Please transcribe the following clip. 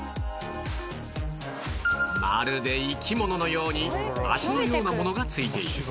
まるで生き物のように脚のようなものが付いている